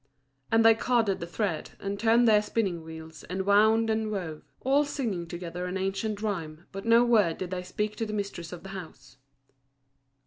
And they carded the thread, and turned their spinning wheels, and wound and wove. All singing together an ancient rhyme, but no word did they speak to the mistress of the house.